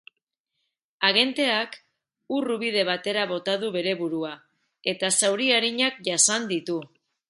Agenteak ur-ubide batera bota du bere burua, eta zauri arinak jasan ditu.